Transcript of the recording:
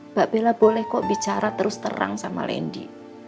mbak bella boleh kok bicara terus terang sama lendi